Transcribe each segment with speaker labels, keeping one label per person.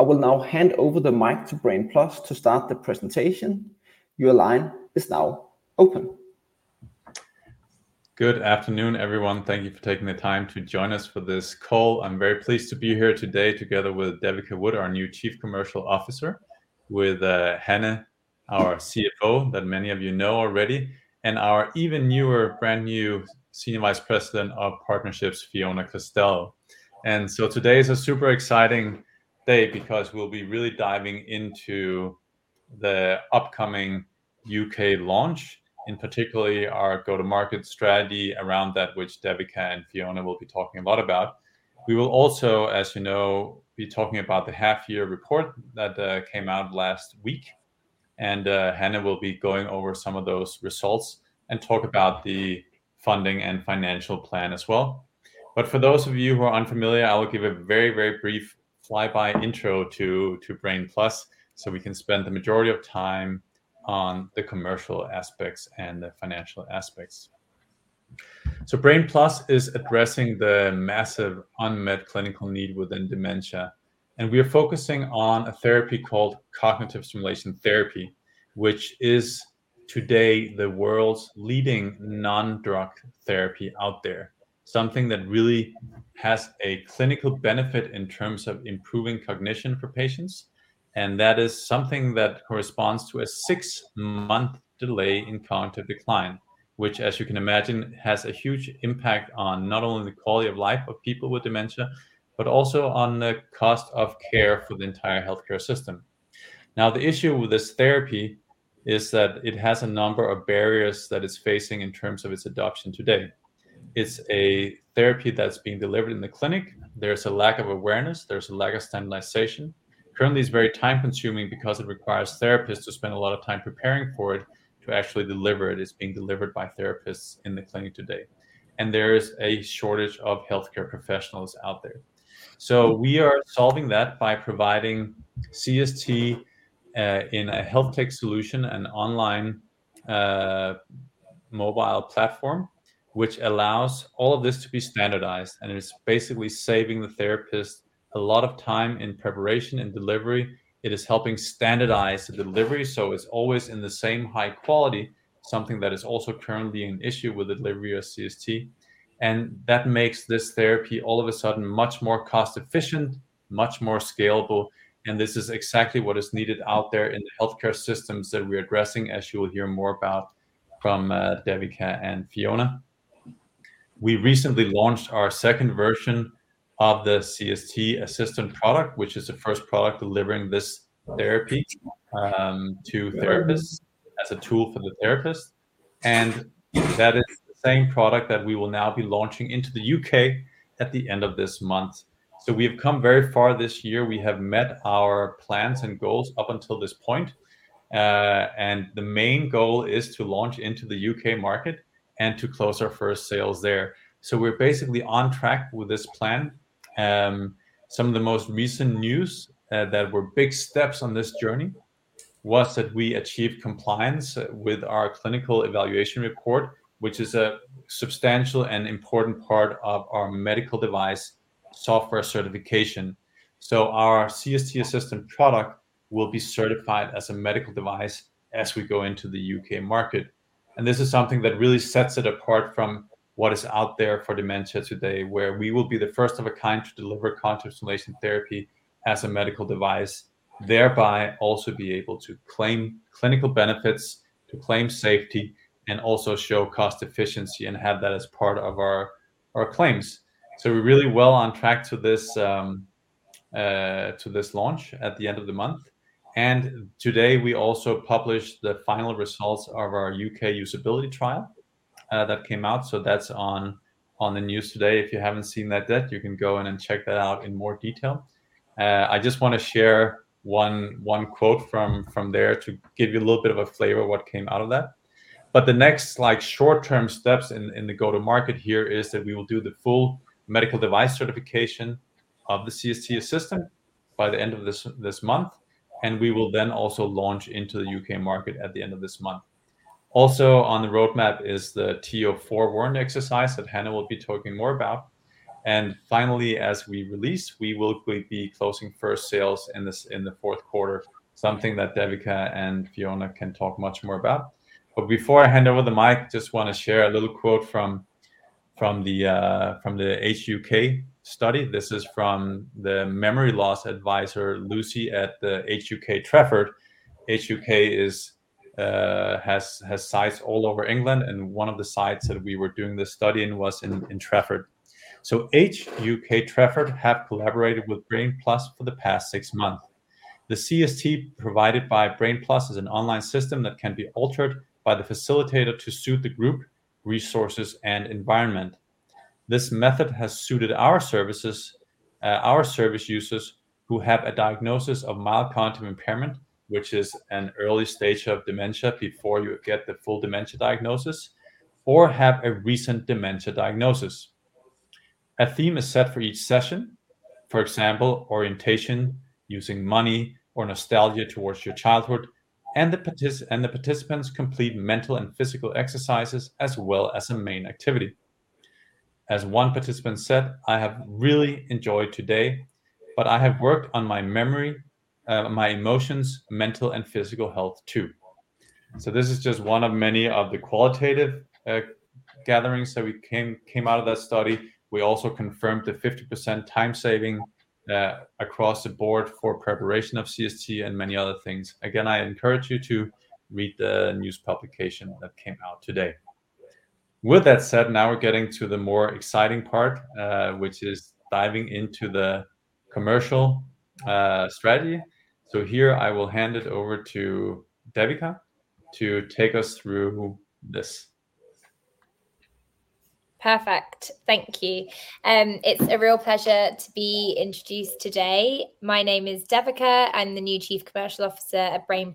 Speaker 1: I will now hand over the mic to Brain+ to start the presentation. Your line is now open.
Speaker 2: Good afternoon, everyone. Thank you for taking the time to join us for this call. I'm very pleased to be here today together with Devika Wood, our new Chief Commercial Officer, with Hanne, our CFO, that many of you know already, and our even newer brand-new Senior Vice President of Partnerships, Fiona Costello. And so today is a super exciting day because we'll be really diving into the upcoming UK launch, and particularly our go-to-market strategy around that, which Devika and Fiona will be talking a lot about. We will also, as you know, be talking about the half year report that came out last week, and Hanne will be going over some of those results and talk about the funding and financial plan as well. But for those of you who are unfamiliar, I will give a very, very brief flyby intro to Brain+, so we can spend the majority of time on the commercial aspects and the financial aspects. So Brain+ is addressing the massive unmet clinical need within dementia, and we are focusing on a therapy called cognitive stimulation therapy, which is today the world's leading non-drug therapy out there. Something that really has a clinical benefit in terms of improving cognition for patients, and that is something that corresponds to a six-month delay in cognitive decline, which, as you can imagine, has a huge impact on not only the quality of life of people with dementia, but also on the cost of care for the entire healthcare system. Now, the issue with this therapy is that it has a number of barriers that it's facing in terms of its adoption today. It's a therapy that's being delivered in the clinic. There's a lack of awareness, there's a lack of standardization. Currently, it's very time-consuming because it requires therapists to spend a lot of time preparing for it to actually deliver it, it's being delivered by therapists in the clinic today, and there is a shortage of healthcare professionals out there. So we are solving that by providing CST in a health tech solution and online mobile platform, which allows all of this to be standardized, and it is basically saving the therapist a lot of time in preparation and delivery. It is helping standardize the delivery, so it's always in the same high quality, something that is also currently an issue with the delivery of CST, and that makes this therapy, all of a sudden, much more cost-efficient, much more scalable, and this is exactly what is needed out there in the healthcare systems that we're addressing, as you will hear more about from, Devika and Fiona. We recently launched our second version of the CST Assistant product, which is the first product delivering this therapy, to therapists as a tool for the therapist, and that is the same product that we will now be launching into the UK at the end of this month. So we have come very far this year. We have met our plans and goals up until this point, and the main goal is to launch into the UK market and to close our first sales there. So we're basically on track with this plan. Some of the most recent news that were big steps on this journey was that we achieved compliance with our Clinical Evaluation Report, which is a substantial and important part of our medical device software certification. Our CST Assistant product will be certified as a medical device as we go into the U.K. market, and this is something that really sets it apart from what is out there for dementia today, where we will be the first of a kind to deliver Cognitive Stimulation Therapy as a medical device, thereby also be able to claim clinical benefits, to claim safety, and also show cost efficiency and have that as part of our claims. We're really well on track to this launch at the end of the month. Today, we also published the final results of our U.K. usability trial that came out, so that's on the news today. If you haven't seen that yet, you can go in and check that out in more detail. I just want to share one quote from there to give you a little bit of a flavor of what came out of that. But the next, like, short-term steps in the go-to-market here is that we will do the full medical device certification of the CST Assistant by the end of this month, and we will then also launch into the UK market at the end of this month. Also on the roadmap is the TO 4 warrant exercise that Hanne will be talking more about. And finally, as we release, we will be closing first sales in the fourth quarter, something that Devika and Fiona can talk much more about. But before I hand over the mic, just wanna share a little quote from the Age UK study. This is from the memory loss advisor, Lucy, at the Age UK Trafford. Age UK is, has sites all over England, and one of the sites that we were doing this study in was in Trafford. So Age UK Trafford have collaborated with Brain+ for the past six months. The CST provided by Brain+ is an online system that can be altered by the facilitator to suit the group, resources, and environment. This method has suited our services, our service users who have a diagnosis of mild cognitive impairment, which is an early stage of dementia, before you get the full dementia diagnosis, or have a recent dementia diagnosis. A theme is set for each session, for example, orientation, using money, or nostalgia towards your childhood, and the participants complete mental and physical exercises as well as a main activity. As one participant said, "I have really enjoyed today, but I have worked on my memory, my emotions, mental and physical health, too." So this is just one of many of the qualitative gatherings that we came out of that study. We also confirmed a 50% time saving across the board for preparation of CST and many other things. Again, I encourage you to read the news publication that came out today. With that said, now we're getting to the more exciting part, which is diving into the commercial strategy. So here I will hand it over to Devika to take us through this.
Speaker 3: Perfect. Thank you. It's a real pleasure to be introduced today. My name is Devika. I'm the new Chief Commercial Officer at Brain+.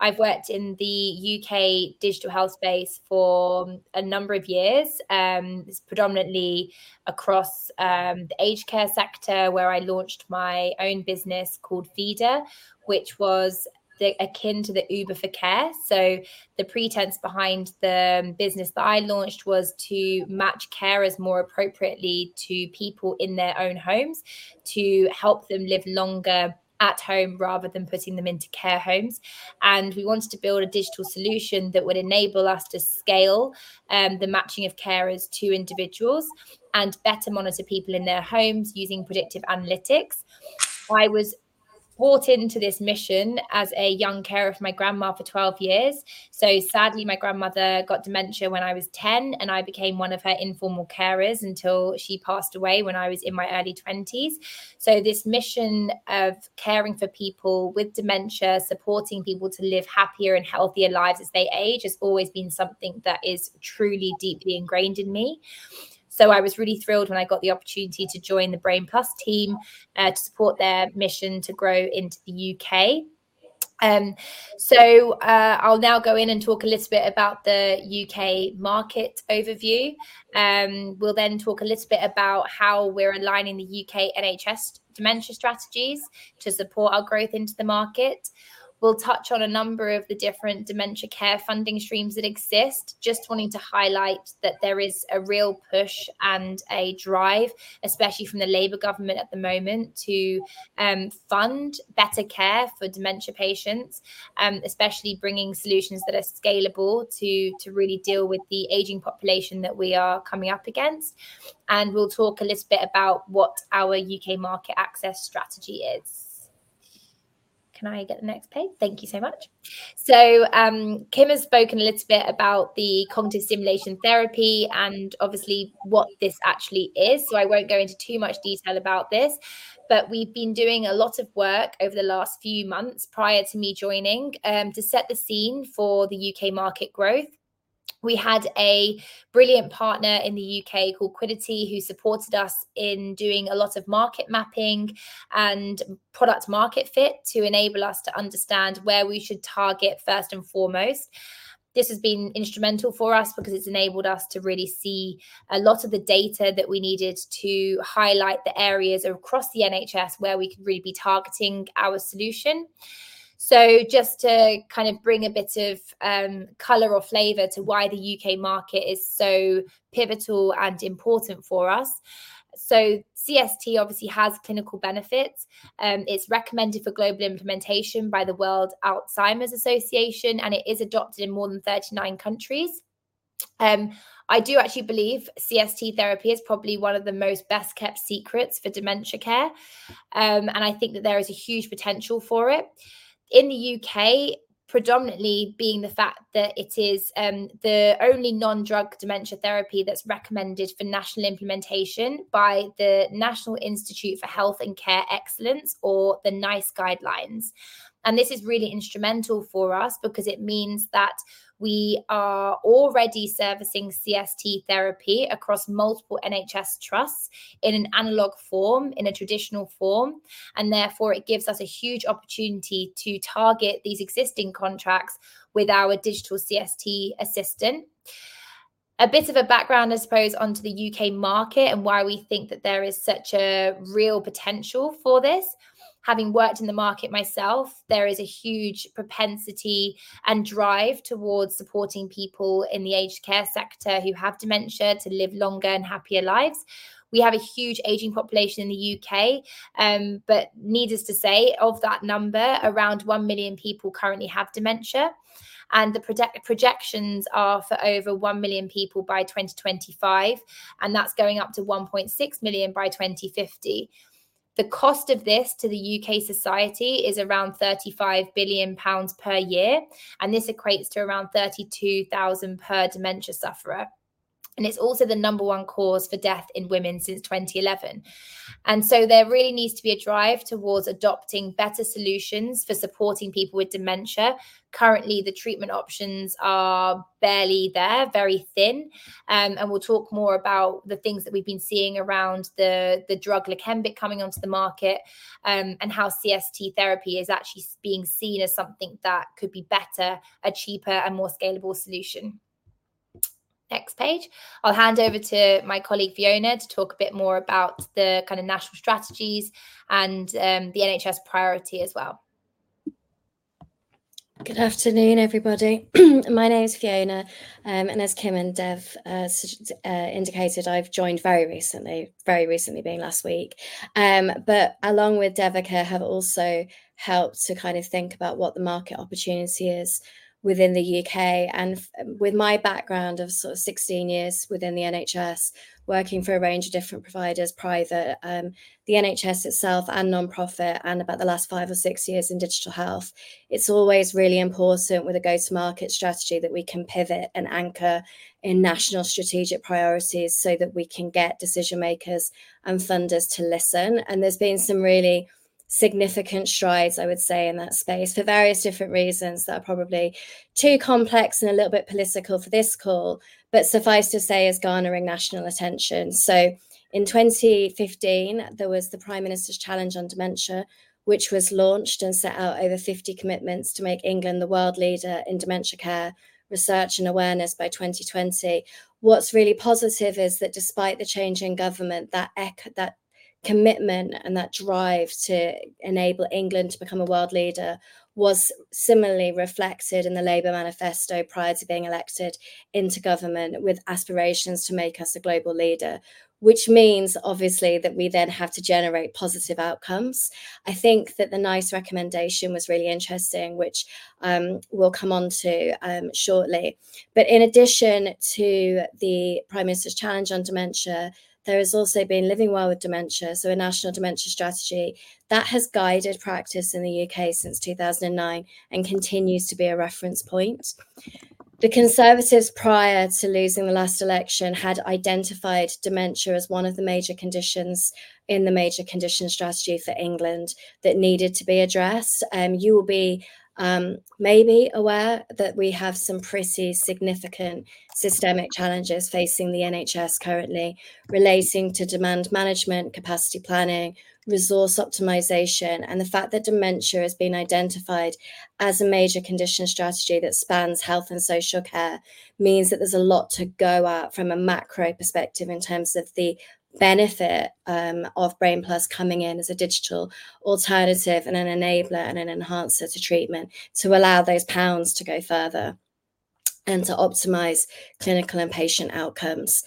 Speaker 3: I've worked in the U.K. digital health space for a number of years, predominantly across the aged care sector, where I launched my own business called Vida, which was akin to the Uber for care. So the pretense behind the business that I launched was to match carers more appropriately to people in their own homes, to help them live longer at home, rather than putting them into care homes. We wanted to build a digital solution that would enable us to scale the matching of carers to individuals and better monitor people in their homes using predictive analytics. I was brought into this mission as a young carer for my grandma for 12 years. So sadly, my grandmother got dementia when I was ten, and I became one of her informal carers until she passed away when I was in my early twenties. So this mission of caring for people with dementia, supporting people to live happier and healthier lives as they age, has always been something that is truly, deeply ingrained in me. So I was really thrilled when I got the opportunity to join the Brain+ team, to support their mission to grow into the UK. I'll now go in and talk a little bit about the UK market overview. We'll then talk a little bit about how we're aligning the UK NHS dementia strategies to support our growth into the market. We'll touch on a number of the different dementia care funding streams that exist. Just wanting to highlight that there is a real push and a drive, especially from the Labour government at the moment, to fund better care for dementia patients, especially bringing solutions that are scalable to really deal with the aging population that we are coming up against. And we'll talk a little bit about what our UK market access strategy is. Can I get the next page? Thank you so much. So, Kim has spoken a little bit about the Cognitive Stimulation Therapy and obviously what this actually is, so I won't go into too much detail about this. But we've been doing a lot of work over the last few months prior to me joining, to set the scene for the UK market growth. We had a brilliant partner in the UK called Quiddity, who supported us in doing a lot of market mapping and product-market fit to enable us to understand where we should target first and foremost. This has been instrumental for us because it's enabled us to really see a lot of the data that we needed to highlight the areas across the NHS where we could really be targeting our solution. So just to kind of bring a bit of, color or flavor to why the UK market is so pivotal and important for us. So CST obviously has clinical benefits. It's recommended for global implementation by the World Alzheimer's Association, and it is adopted in more than thirty-nine countries. I do actually believe CST therapy is probably one of the most best-kept secrets for dementia care. And I think that there is a huge potential for it. In the UK, predominantly being the fact that it is, the only non-drug dementia therapy that's recommended for national implementation by the National Institute for Health and Care Excellence, or the NICE guidelines. And this is really instrumental for us because it means that we are already servicing CST therapy across multiple NHS trusts in an analog form, in a traditional form, and therefore, it gives us a huge opportunity to target these existing contracts with our digital CST Assistant. A bit of a background, I suppose, onto the UK market and why we think that there is such a real potential for this. Having worked in the market myself, there is a huge propensity and drive towards supporting people in the aged care sector who have dementia to live longer and happier lives. We have a huge aging population in the U.K., but needless to say, of that number, around 1 million people currently have dementia, and the projections are for over 1 million people by 2025, and that's going up to 1.6 million by 2050. The cost of this to the U.K. society is around 35 billion pounds per year, and this equates to around 32,000 per dementia sufferer, and it's also the number one cause for death in women since 2011, and so there really needs to be a drive towards adopting better solutions for supporting people with dementia. Currently, the treatment options are barely there, very thin. And we'll talk more about the things that we've been seeing around the drug Leqembi coming onto the market, and how CST therapy is actually being seen as something that could be better, a cheaper and more scalable solution. Next page. I'll hand over to my colleague, Fiona, to talk a bit more about the kind of national strategies and the NHS priority as well....
Speaker 4: Good afternoon, everybody. My name is Fiona, and as Kim and Dev indicated, I've joined very recently. Very recently being last week. But along with Devika, have also helped to kind of think about what the market opportunity is within the UK. With my background of sort of 16 years within the NHS, working for a range of different providers, private, the NHS itself, and nonprofit, and about the last five or six years in digital health. It's always really important with a go-to-market strategy, that we can pivot and anchor in national strategic priorities, so that we can get decision makers and funders to listen. And there's been some really significant strides, I would say, in that space, for various different reasons that are probably too complex and a little bit political for this call, but suffice to say, it's garnering national attention. So in 2015, there was the Prime Minister's Challenge on Dementia, which was launched and set out over 50 commitments to make England the world leader in dementia care, research, and awareness by 2020. What's really positive is that despite the change in government, that commitment and that drive to enable England to become a world leader was similarly reflected in the Labour manifesto prior to being elected into government, with aspirations to make us a global leader. Which means, obviously, that we then have to generate positive outcomes. I think that the NICE recommendation was really interesting, which we'll come onto shortly. But in addition to the Prime Minister's Challenge on Dementia, there has also been Living Well with Dementia, so a National Dementia Strategy. That has guided practice in the U.K. since 2009, and continues to be a reference point. The Conservatives, prior to losing the last election, had identified dementia as one of the major conditions in the Major Conditions Strategy for England, that needed to be addressed. You will be, maybe aware that we have some pretty significant systemic challenges facing the NHS currently, relating to demand management, capacity planning, resource optimization. And the fact that dementia has been identified as a Major Conditions Strategy that spans health and social care means that there's a lot to go at from a macro perspective, in terms of the benefit of Brain+ coming in as a digital alternative, and an enabler, and an enhancer to treatment, to allow those pounds to go further, and to optimize clinical and patient outcomes.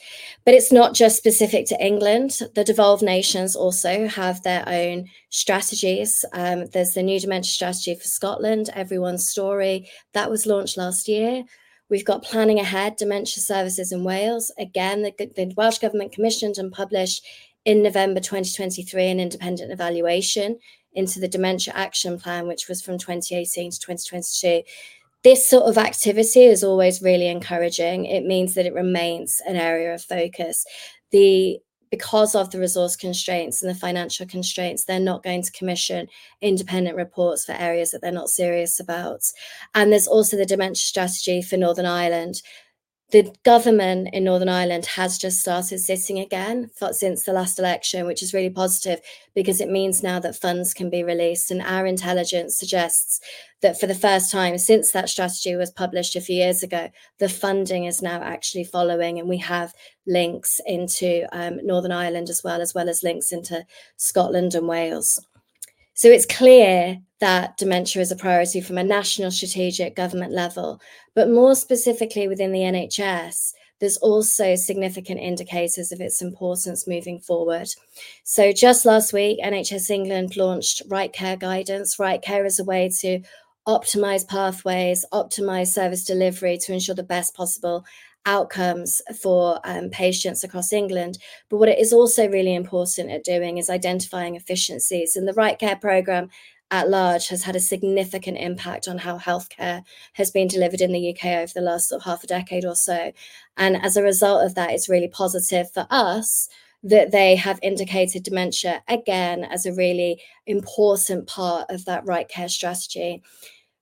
Speaker 4: But it's not just specific to England, the devolved nations also have their own strategies. There's the new Dementia Strategy for Scotland, Everyone's Story. That was launched last year. We've got Planning Ahead: Dementia Services in Wales. Again, the Welsh government commissioned and published in November 2023, an independent evaluation into the Dementia Action Plan, which was from 2018 to 2022. This sort of activity is always really encouraging. It means that it remains an area of focus. Because of the resource constraints and the financial constraints, they're not going to commission independent reports for areas that they're not serious about. And there's also the Dementia Strategy for Northern Ireland. The government in Northern Ireland has just started sitting again, since the last election, which is really positive, because it means now that funds can be released. And our intelligence suggests that for the first time since that strategy was published a few years ago, the funding is now actually following, and we have links into Northern Ireland as well, as well as links into Scotland and Wales. So it's clear that dementia is a priority from a national strategic government level, but more specifically within the NHS, there's also significant indicators of its importance moving forward. So just last week, NHS England launched RightCare guidance. RightCare is a way to optimize pathways, optimize service delivery, to ensure the best possible outcomes for patients across England. But what it is also really important at doing, is identifying efficiencies, and the RightCare program at large, has had a significant impact on how healthcare has been delivered in the U.K. over the last sort of half a decade or so. And as a result of that, it's really positive for us, that they have indicated dementia again, as a really important part of that RightCare strategy.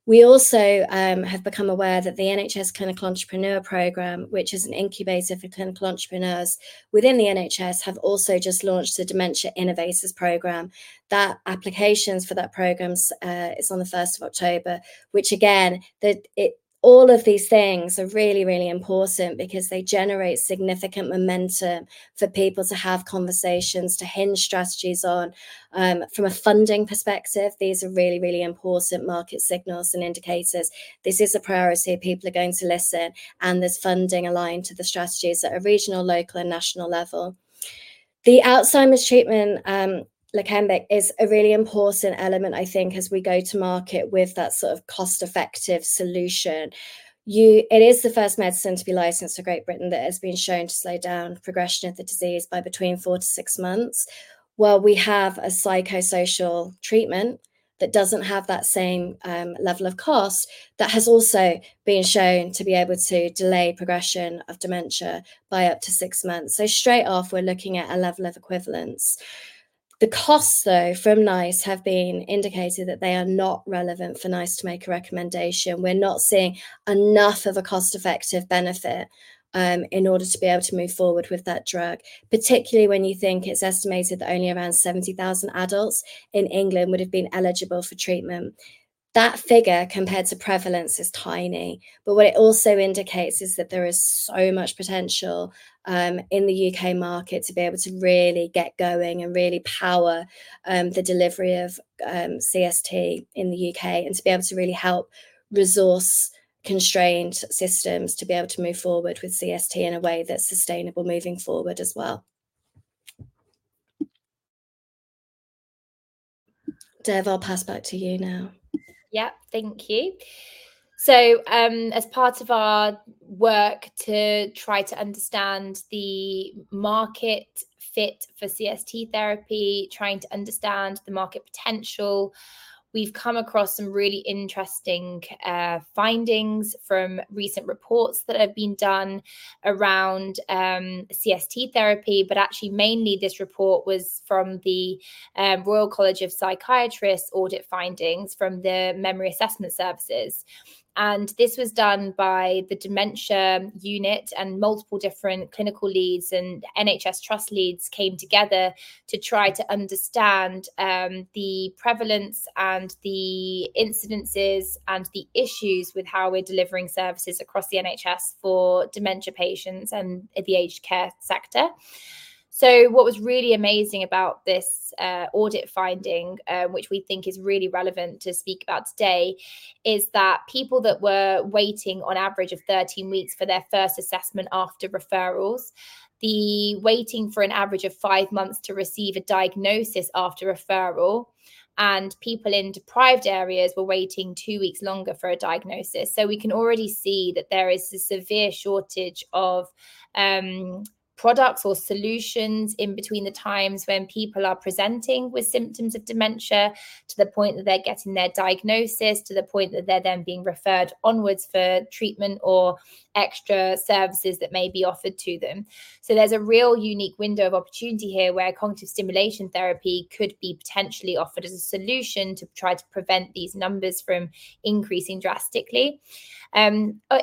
Speaker 4: We also have become aware that the NHS Clinical Entrepreneur Programme, which is an incubator for clinical entrepreneurs within the NHS, have also just launched the Dementia Innovators Programme. That applications for that program's is on the 1st October, which again, All of these things are really, really important, because they generate significant momentum for people to have conversations, to hinge strategies on. From a funding perspective, these are really, really important market signals and indicators. This is a priority, people are going to listen, and there's funding aligned to the strategies at a regional, local, and national level. The Alzheimer's treatment, Leqembi, is a really important element, I think, as we go to market with that sort of cost-effective solution. It is the first medicine to be licensed to Great Britain, that has been shown to slow down progression of the disease by between four to six months. While we have a psychosocial treatment, that doesn't have that same level of cost, that has also been shown to be able to delay progression of dementia by up to six months. So straight off, we're looking at a level of equivalence. The costs, though, from NICE have been indicated that they are not relevant for NICE to make a recommendation. We're not seeing enough of a cost-effective benefit in order to be able to move forward with that drug. Particularly when you think it's estimated that only around 70,000 adults in England would have been eligible for treatment. That figure compared to prevalence is tiny, but what it also indicates is that there is so much potential in the UK market to be able to really get going and really power the delivery of CST in the UK, and to be able to really help resource-constrained systems to be able to move forward with CST in a way that's sustainable moving forward as well. Dev, I'll pass back to you now.
Speaker 3: Yeah, thank you. So, as part of our work to try to understand the market fit for CST therapy, trying to understand the market potential, we've come across some really interesting findings from recent reports that have been done around CST therapy. But actually, mainly this report was from the Royal College of Psychiatrists audit findings from the memory assessment services, and this was done by the dementia unit and multiple different clinical leads, and NHS Trust leads came together to try to understand the prevalence and the incidences and the issues with how we're delivering services across the NHS for dementia patients and the aged care sector. So what was really amazing about this, audit finding, which we think is really relevant to speak about today, is that people that were waiting on average of thirteen weeks for their first assessment after referrals, be waiting for an average of five months to receive a diagnosis after referral, and people in deprived areas were waiting two weeks longer for a diagnosis. So we can already see that there is a severe shortage of, products or solutions in between the times when people are presenting with symptoms of dementia, to the point that they're getting their diagnosis, to the point that they're then being referred onwards for treatment or extra services that may be offered to them. So there's a real unique window of opportunity here, where cognitive stimulation therapy could be potentially offered as a solution to try to prevent these numbers from increasing drastically.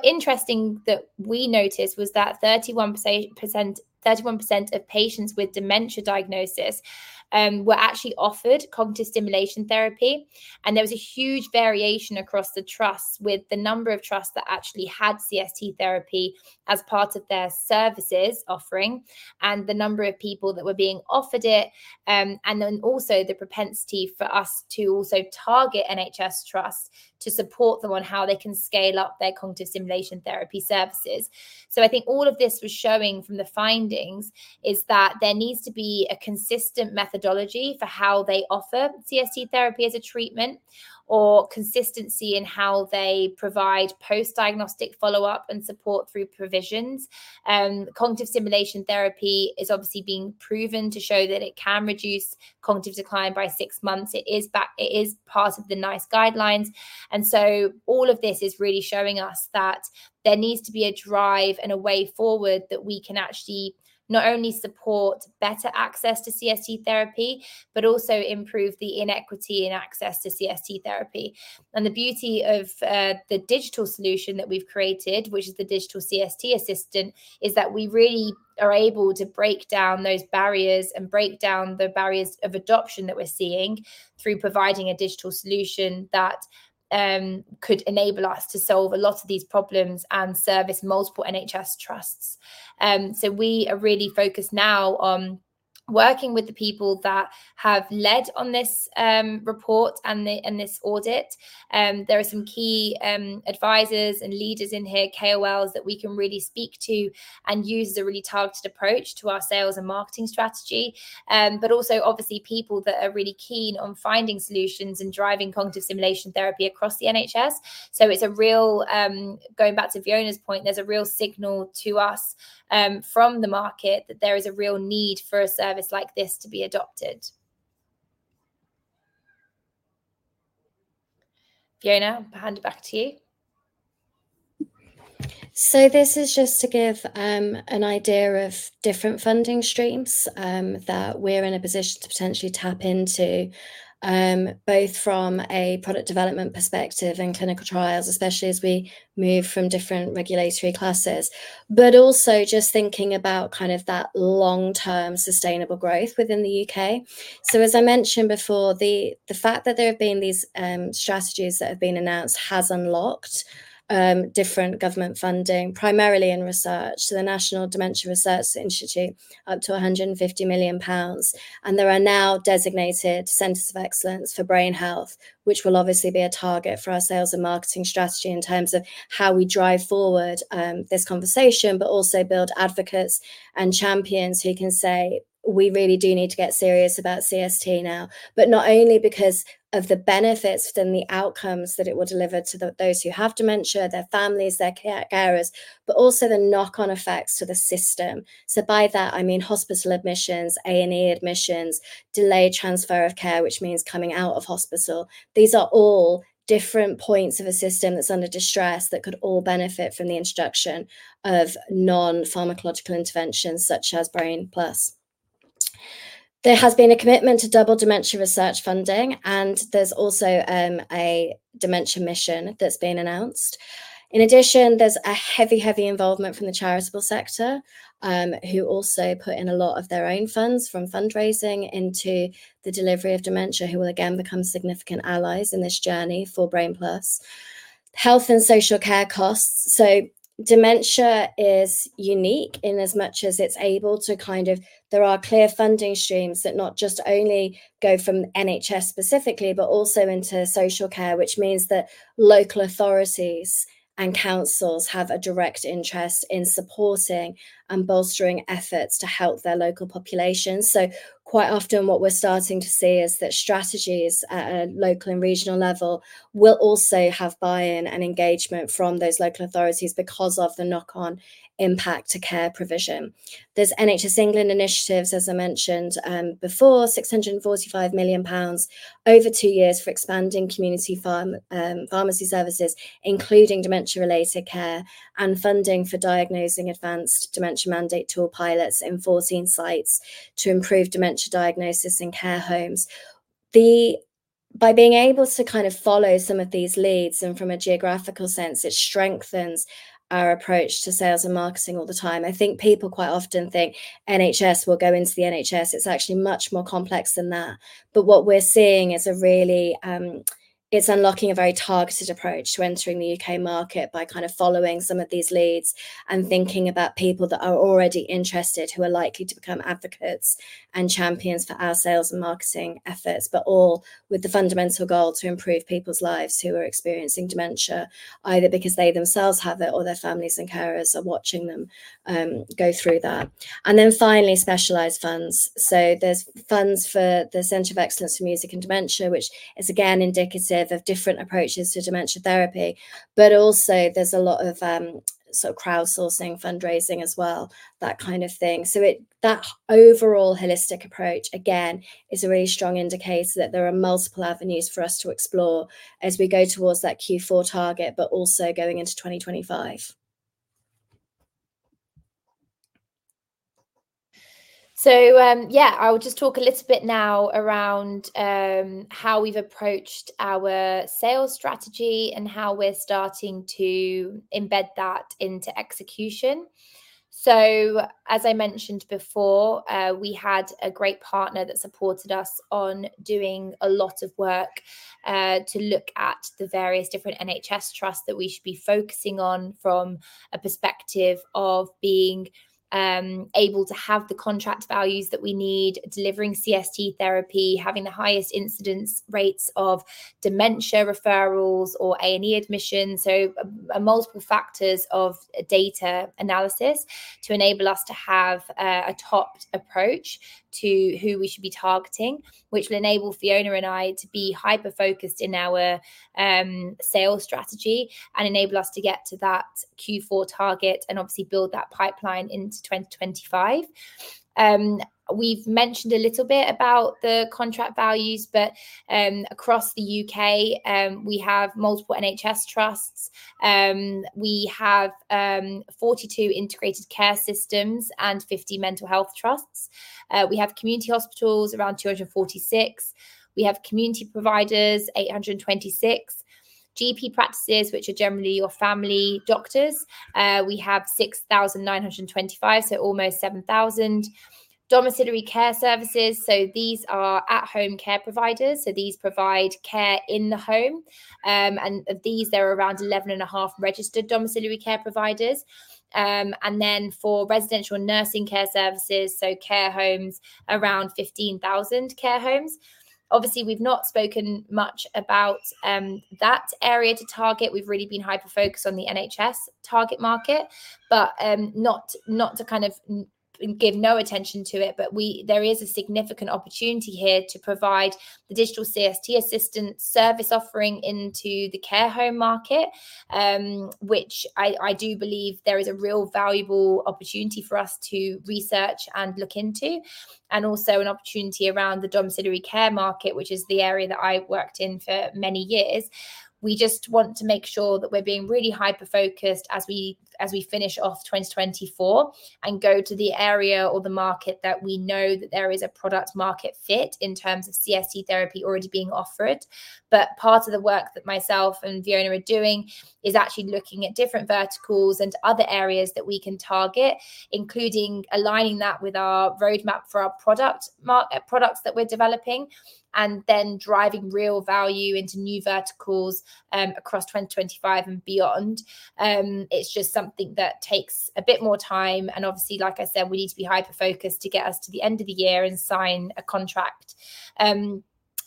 Speaker 3: Interesting that we noticed was that 31% of patients with dementia diagnosis were actually offered cognitive stimulation therapy. And there was a huge variation across the trusts, with the number of trusts that actually had CST therapy as part of their services offering, and the number of people that were being offered it. And then also the propensity for us to also target NHS trusts to support them on how they can scale up their cognitive stimulation therapy services. So I think all of this was showing from the findings, is that there needs to be a consistent methodology for how they offer CST therapy as a treatment, or consistency in how they provide post-diagnostic follow-up and support through provisions. Cognitive stimulation therapy is obviously being proven to show that it can reduce cognitive decline by six months. It is part of the NICE guidelines. So all of this is really showing us that there needs to be a drive and a way forward, that we can actually not only support better access to CST therapy, but also improve the inequity in access to CST therapy. And the beauty of the digital solution that we've created, which is the digital CST assistant, is that we really are able to break down those barriers and break down the barriers of adoption that we're seeing, through providing a digital solution that could enable us to solve a lot of these problems and service multiple NHS trusts. So we are really focused now on working with the people that have led on this report and this audit. There are some key advisors and leaders in here, KOLs, that we can really speak to and use as a really targeted approach to our sales and marketing strategy, but also, obviously, people that are really keen on finding solutions and driving cognitive stimulation therapy across the NHS, so it's a real... Going back to Fiona's point, there's a real signal to us, from the market, that there is a real need for a service like this to be adopted. Fiona, I'll hand it back to you.
Speaker 4: This is just to give an idea of different funding streams that we're in a position to potentially tap into both from a product development perspective and clinical trials, especially as we move from different regulatory classes. But also just thinking about kind of that long-term sustainable growth within the UK. As I mentioned before, the fact that there have been these strategies that have been announced has unlocked different government funding, primarily in research. The UK Dementia Research Institute, up to 150 million pounds. There are now designated centers of excellence for brain health, which will obviously be a target for our sales and marketing strategy in terms of how we drive forward this conversation, but also build advocates and champions who can say: "We really do need to get serious about CST now." Not only because of the benefits and the outcomes that it will deliver to those who have dementia, their families, their carers, but also the knock-on effects to the system. By that, I mean hospital admissions, A&E admissions, delayed transfer of care, which means coming out of hospital. These are all different points of a system that's under distress, that could all benefit from the introduction of non-pharmacological interventions, such as Brain+. There has been a commitment to double dementia research funding, and there's also a dementia mission that's been announced. In addition, there's a heavy, heavy involvement from the charitable sector, who also put in a lot of their own funds from fundraising into the delivery of dementia, who will again become significant allies in this journey for Brain+.... health and social care costs. Dementia is unique in as much as there are clear funding streams that not just only go from the NHS specifically, but also into social care, which means that local authorities and councils have a direct interest in supporting and bolstering efforts to help their local population. Quite often what we're starting to see is that strategies at a local and regional level will also have buy-in and engagement from those local authorities because of the knock-on impact to care provision. There's NHS England initiatives, as I mentioned before, 645 million pounds over two years for expanding community pharmacy services, including dementia-related care and funding for diagnosing advanced dementia mandate tool pilots in 14 sites to improve dementia diagnosis in care homes. By being able to kind of follow some of these leads and from a geographical sense, it strengthens our approach to sales and marketing all the time. I think people quite often think NHS will go into the NHS. It's actually much more complex than that. But what we're seeing is a really, it's unlocking a very targeted approach to entering the UK market by kind of following some of these leads and thinking about people that are already interested, who are likely to become advocates and champions for our sales and marketing efforts, but all with the fundamental goal to improve people's lives who are experiencing dementia, either because they themselves have it or their families and carers are watching them, go through that. And then finally, specialized funds. So there's funds for the Centre of Excellence for Music and Dementia, which is again indicative of different approaches to dementia therapy, but also there's a lot of so crowdsourcing, fundraising as well, that kind of thing. So that overall holistic approach, again, is a really strong indicator that there are multiple avenues for us to explore as we go towards that Q4 target, but also going into 2025.
Speaker 3: So, yeah, I will just talk a little bit now around how we've approached our sales strategy and how we're starting to embed that into execution. As I mentioned before, we had a great partner that supported us on doing a lot of work to look at the various different NHS trusts that we should be focusing on from a perspective of being able to have the contract values that we need, delivering CST therapy, having the highest incidence rates of dementia referrals or A&E admissions. Multiple factors of data analysis to enable us to have a targeted approach to who we should be targeting, which will enable Fiona and I to be hyper-focused in our sales strategy and enable us to get to that Q4 target and obviously build that pipeline into 2025. We've mentioned a little bit about the contract values, but, across the UK, we have multiple NHS trusts. We have 42 integrated care systems and 50 mental health trusts. We have community hospitals, around 246. We have community providers, 826. GP practices, which are generally your family doctors, we have 6,925, so almost 7,000. Domiciliary care services, so these are at-home care providers, so these provide care in the home. And of these, there are around 11.5 registered domiciliary care providers. And then for residential nursing care services, so care homes, around 15,000 care homes. Obviously, we've not spoken much about that area to target. We've really been hyper-focused on the NHS target market, but not to kind of give no attention to it, but there is a significant opportunity here to provide the digital CST assistant service offering into the care home market, which I do believe there is a real valuable opportunity for us to research and look into, and also an opportunity around the domiciliary care market, which is the area that I worked in for many years. We just want to make sure that we're being really hyper-focused as we finish off 2024 and go to the area or the market that we know that there is a product market fit in terms of CST therapy already being offered. But part of the work that myself and Fiona are doing is actually looking at different verticals and other areas that we can target, including aligning that with our roadmap for our products that we're developing, and then driving real value into new verticals, across 2025 and beyond. It's just something that takes a bit more time, and obviously, like I said, we need to be hyper-focused to get us to the end of the year and sign a contract.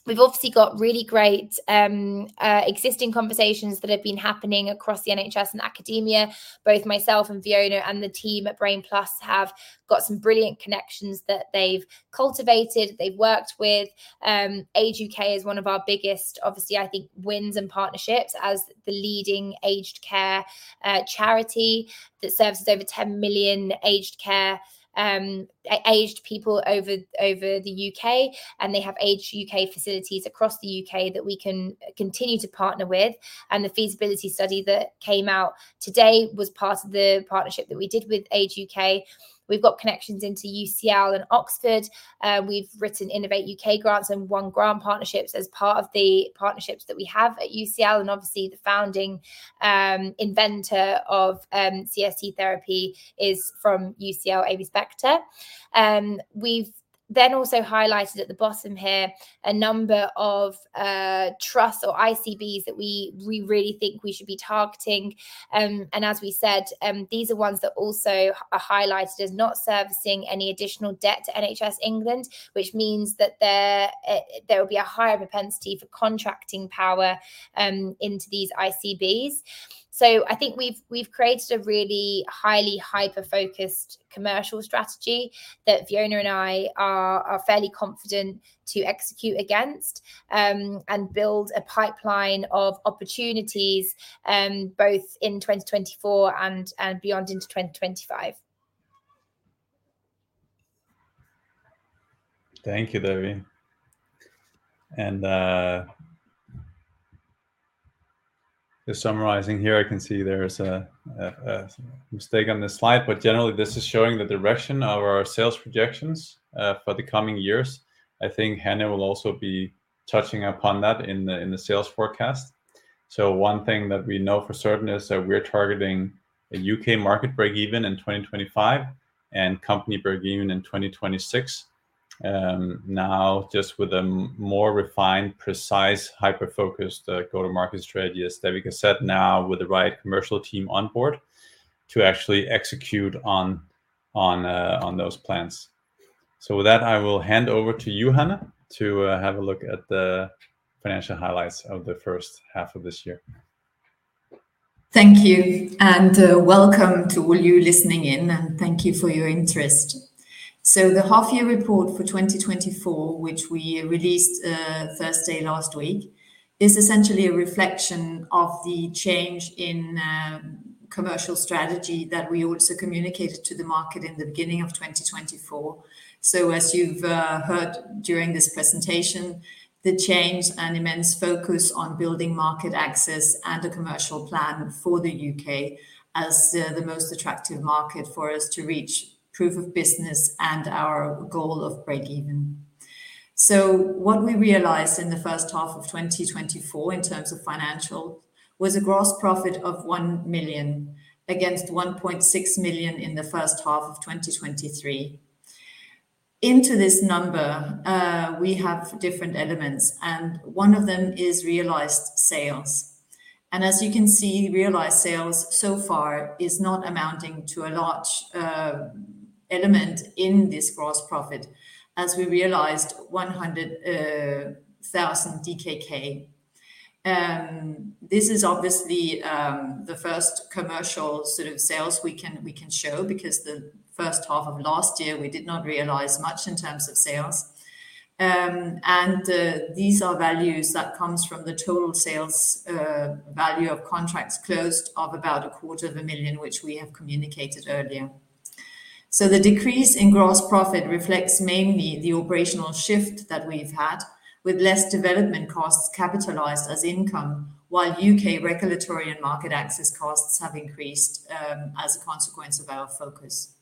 Speaker 3: We've obviously got really great, existing conversations that have been happening across the NHS and academia. Both myself and Fiona and the team at Brain+ have got some brilliant connections that they've cultivated, they've worked with. Age UK is one of our biggest, obviously, I think, wins and partnerships as the leading aged care charity that services over 10 million aged care aged people over the UK, and they have Age UK facilities across the UK that we can continue to partner with. The feasibility study that came out today was part of the partnership that we did with Age UK. We've got connections into UCL and Oxford. We've written Innovate UK grants and won grant partnerships as part of the partnerships that we have at UCL, and obviously, the founding inventor of CST therapy is from UCL, Aimee Spector. We've then also highlighted at the bottom here a number of trusts or ICBs that we really think we should be targeting. And as we said, these are ones that also are highlighted as not servicing any additional debt to NHS England, which means that there will be a higher propensity for contracting power into these ICBs. So I think we've created a really highly hyper-focused commercial strategy that Fiona and I are fairly confident to execute against, and build a pipeline of opportunities, both in 2024 and beyond into 2025.
Speaker 2: Thank you, Devi. Just summarizing here, I can see there's a mistake on this slide, but generally, this is showing the direction of our sales projections for the coming years. I think Hanne will also be touching upon that in the sales forecast. One thing that we know for certain is that we're targeting a U.K. market breakeven in 2025 and company breakeven in 2026. Now just with a more refined, precise, hyper-focused go-to-market strategy, as Devi has said, now with the right commercial team on board to actually execute on those plans. With that, I will hand over to you, Hanne, to have a look at the financial highlights of the first half of this year.
Speaker 5: Thank you, and welcome to all you listening in, and thank you for your interest, so the half-year report for 2024, which we released Thursday last week, is essentially a reflection of the change in commercial strategy that we also communicated to the market in the beginning of 2024, so as you've heard during this presentation, the change and immense focus on building market access and a commercial plan for the U.K. as the most attractive market for us to reach proof of business and our goal of breakeven, so what we realized in the first half of 2024, in terms of financial, was a gross profit of 1 million, against 1.6 million in the first half of 2023. Into this number, we have different elements, and one of them is realized sales. As you can see, realized sales so far is not amounting to a large element in this gross profit, as we realized 100,000 DKK. This is obviously the first commercial sort of sales we can show, because the first half of last year, we did not realize much in terms of sales. These are values that comes from the total sales value of contracts closed of about 250,000, which we have communicated earlier. The decrease in gross profit reflects mainly the operational shift that we've had, with less development costs capitalized as income, while U.K. regulatory and market access costs have increased, as a consequence of our focus.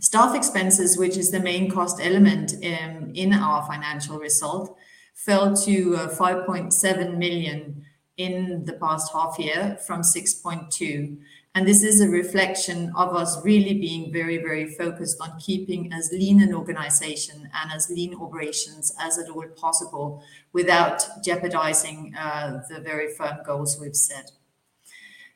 Speaker 5: Staff expenses, which is the main cost element in our financial result, fell to 5.7 million in the past half year from 6.2 million, and this is a reflection of us really being very, very focused on keeping as lean an organization and as lean operations as at all possible, without jeopardizing the very firm goals we've set.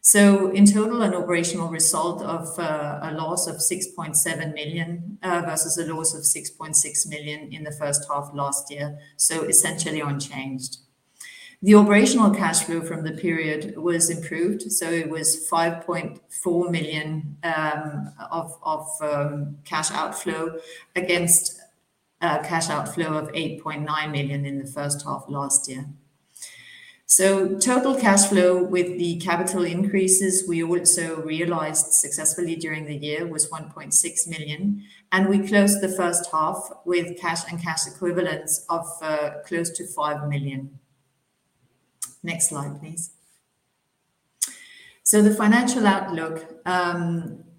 Speaker 5: So in total, an operational result of a loss of 6.7 million versus a loss of 6.6 million in the first half last year, so essentially unchanged. The operational cash flow from the period was improved, so it was 5.4 million of cash outflow against a cash outflow of 8.9 million in the first half last year. So total cash flow with the capital increases we also realized successfully during the year was 1.6 million, and we closed the first half with cash and cash equivalents of close to 5 million. Next slide, please. So the financial outlook.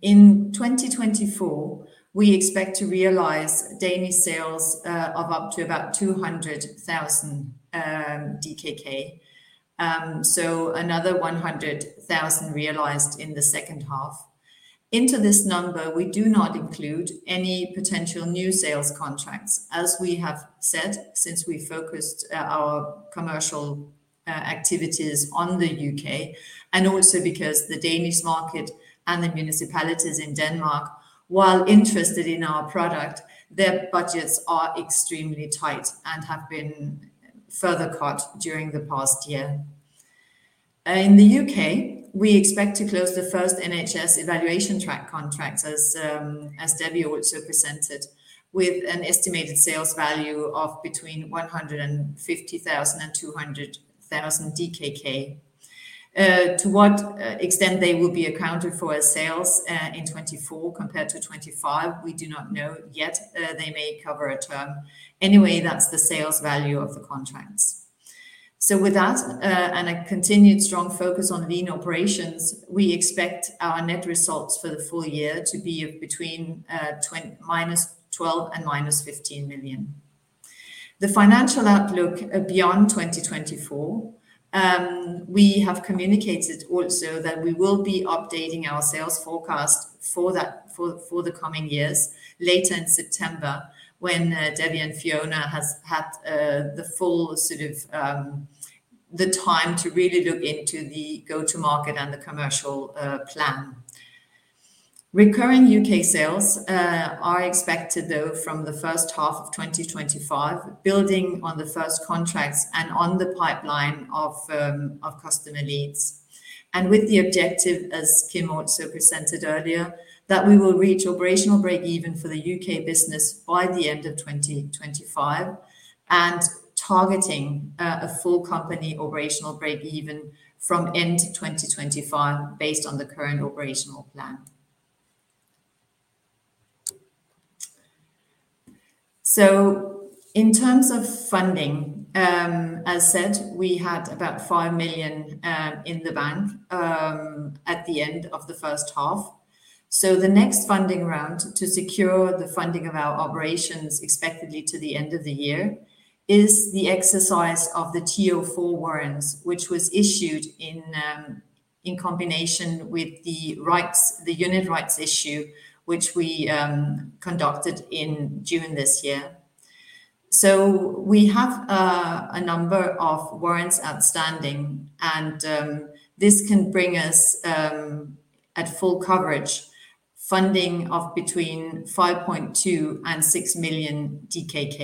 Speaker 5: In 2024, we expect to realize Danish sales of up to about 200,000 DKK. So another 100,000 realized in the second half. Into this number, we do not include any potential new sales contracts, as we have said, since we focused our commercial activities on the U.K., and also because the Danish market and the municipalities in Denmark, while interested in our product, their budgets are extremely tight and have been further cut during the past year. In the UK, we expect to close the first NHS evaluation track contracts as Devika also presented, with an estimated sales value of between 150,000 and 200,000 DKK. To what extent they will be accounted for as sales in 2024 compared to 2025, we do not know yet. They may cover a term. Anyway, that's the sales value of the contracts. So with that, and a continued strong focus on lean operations, we expect our net results for the full year to be between -12 million and -15 million. The financial outlook beyond 2024, we have communicated also that we will be updating our sales forecast for that, for the coming years later in September, when Devika and Fiona has had the full sort of the time to really look into the go-to market and the commercial plan. Recurring UK sales are expected though from the first half of 2025, building on the first contracts and on the pipeline of customer leads. With the objective, as Kim also presented earlier, that we will reach operational break-even for the UK business by the end of 2025, and targeting a full company operational break-even from end 2025, based on the current operational plan. In terms of funding, as said, we had about 5 million in the bank at the end of the first half. The next funding round to secure the funding of our operations, expectedly to the end of the year, is the exercise of the TO 4 Warrants, which was issued in combination with the rights, the unit rights issue, which we conducted in June this year. So we have a number of warrants outstanding, and this can bring us at full coverage, funding of between 5.2 million and 6 million DKK.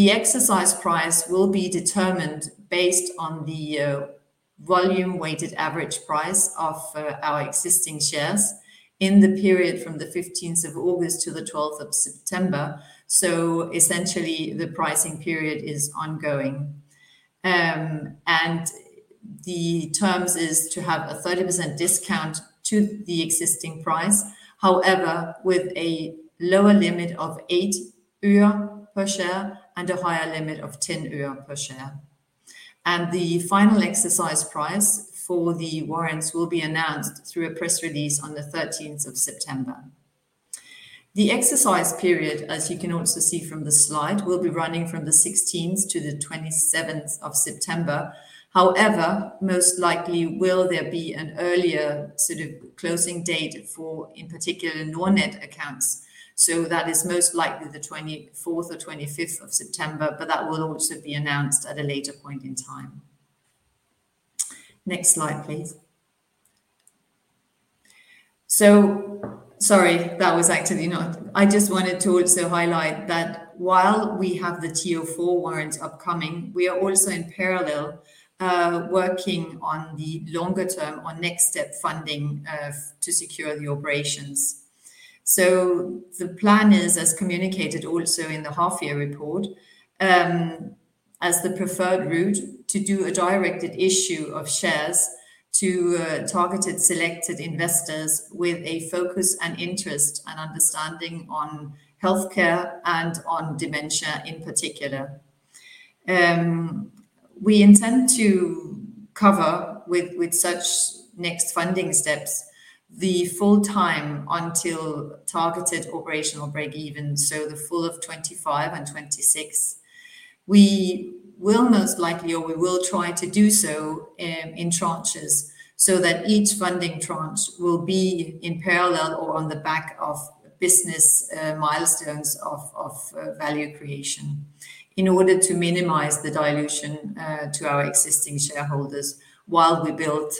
Speaker 5: The exercise price will be determined based on the volume-weighted average price of our existing shares in the period from the 15th of August to the 12th of September, so essentially, the pricing period is ongoing. And the terms is to have a 30% discount to the existing price, however, with a lower limit of 8 øre per share and a higher limit of 10 øre per share. The final exercise price for the warrants will be announced through a press release on the 13th of September. The exercise period, as you can also see from the slide, will be running from the 16th to the 27th of September. However, most likely will there be an earlier sort of closing date for, in particular, Nordnet accounts, so that is most likely the 24th or 25th of September, but that will also be announced at a later point in time. Next slide, please. So, sorry, that was actually not. I just wanted to also highlight that while we have the TO 4 Warrants upcoming, we are also in parallel, working on the longer term or next step funding, to secure the operations. So the plan is, as communicated also in the half-year report, as the preferred route, to do a directed issue of shares to targeted selected investors with a focus and interest and understanding on healthcare and on dementia in particular. We intend to cover with such next funding steps the full time until targeted operational break-even, so the full of 2025 and 2026. We will most likely, or we will try to do so, in tranches, so that each funding tranche will be in parallel or on the back of business milestones of value creation, in order to minimize the dilution to our existing shareholders, while we build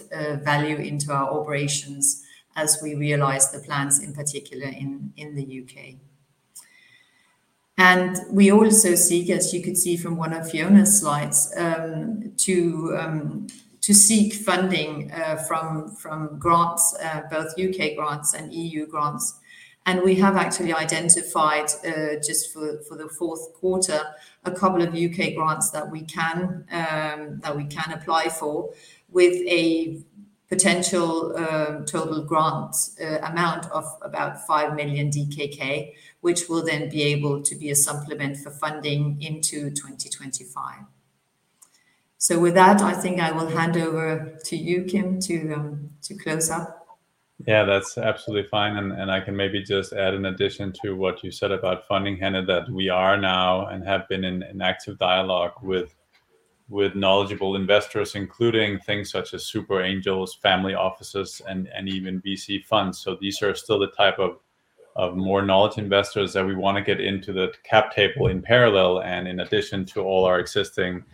Speaker 5: value into our operations as we realize the plans, in particular in the U.K. We also seek, as you could see from one of Fiona's slides, to seek funding from grants, both UK grants and EU grants. We have actually identified, just for the fourth quarter, a couple of UK grants that we can apply for, with a potential total grant amount of about five million DKK, which will then be able to be a supplement for funding into 2025. With that, I think I will hand over to you, Kim, to close up.
Speaker 2: Yeah, that's absolutely fine. And I can maybe just add in addition to what you said about funding, Hanne, that we are now and have been in an active dialogue with knowledgeable investors, including things such as super angels, family offices, and even VC funds. So these are still the type of more knowledgeable investors that we wanna get into the cap table in parallel, and in addition to all our existing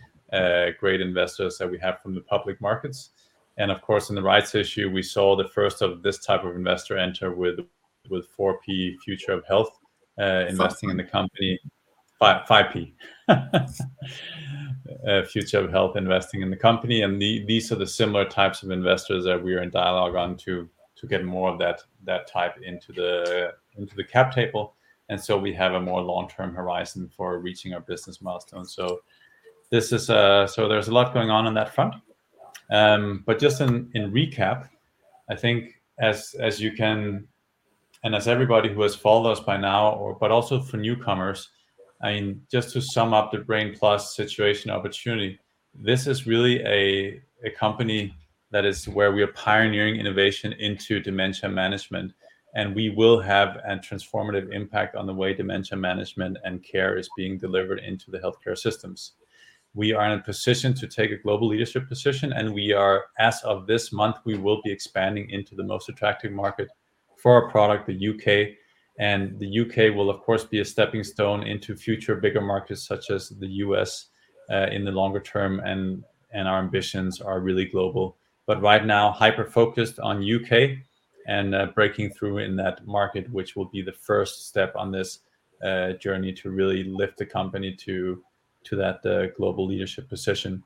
Speaker 2: great investors that we have from the public markets. And of course, in the rights issue, we saw the first of this type of investor enter with 5P Future of Health.
Speaker 5: 5P. -investing in the company. Five, 5P Future of Health investing in the company, and these are the similar types of investors that we are in dialogue on to get more of that type into the cap table. And so we have a more long-term horizon for reaching our business milestones. So this is. So there's a lot going on on that front. But just in recap, I think as you can, and as everybody who has followed us by now, or but also for newcomers, I mean, just to sum up the Brain+ situation opportunity, this is really a company that is where we are pioneering innovation into dementia management, and we will have a transformative impact on the way dementia management and care is being delivered into the healthcare systems. We are in a position to take a global leadership position, and we are, as of this month, we will be expanding into the most attractive market for our product, the U.K. And the U.K. will, of course, be a stepping stone into future bigger markets, such as the U.S., in the longer term, and our ambitions are really global. But right now, hyper-focused on U.K. and breaking through in that market, which will be the first step on this journey to really lift the company to that global leadership position.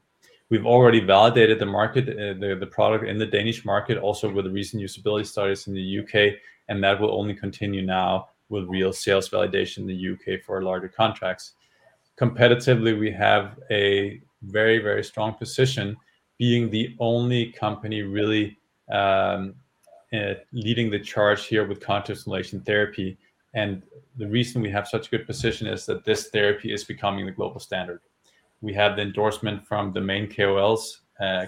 Speaker 5: We've already validated the market, the product in the Danish market, also with the recent usability studies in the U.K., and that will only continue now with real sales validation in the U.K. for larger contracts. Competitively, we have a very, very strong position, being the only company really, leading the charge here with cognitive stimulation therapy. And the reason we have such a good position is that this therapy is becoming the global standard. We have the endorsement from the main KOLs,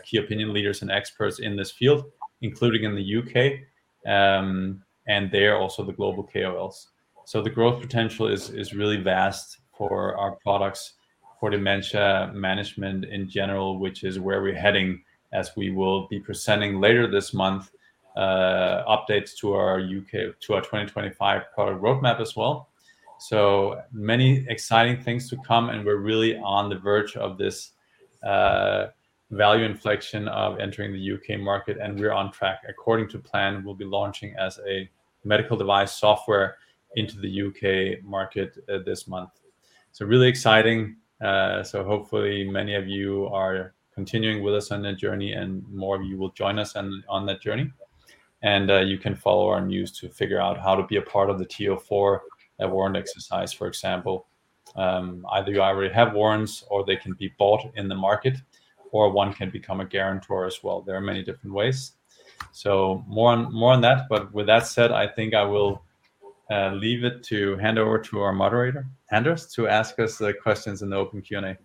Speaker 5: key opinion leaders and experts in this field, including in the U.K., and they are also the global KOLs. So the growth potential is really vast for our products, for dementia management in general, which is where we're heading, as we will be presenting later this month, updates to our U.K. to our 2025 product roadmap as well. So many exciting things to come, and we're really on the verge of this, value inflection of entering the U.K. market, and we're on track. According to plan, we'll be launching as a medical device software into the U.K. market this month. So really exciting. So hopefully many of you are continuing with us on that journey, and more of you will join us on that journey. And you can follow our news to figure out how to be a part of the TO 4 warrant exercise, for example. Either you already have warrants, or they can be bought in the market, or one can become a guarantor as well. There are many different ways. So more on that, but with that said, I think I will leave it to hand over to our moderator, Anders, to ask us the questions in the open Q&A.